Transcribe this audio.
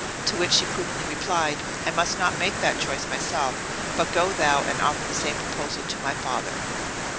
To which she prudently replied, "I must not make that choice myself, but go thou and offer the same proposal to my father."